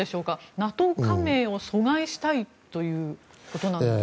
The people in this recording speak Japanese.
ＮＡＴＯ加盟を阻害したいということでしょうか。